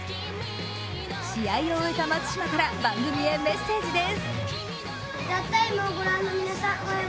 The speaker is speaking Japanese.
試合を終えた松島から番組へメッセージです。